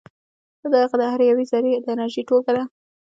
دا د هغه د هرې یوې ذرې د انرژي ټولګه ده.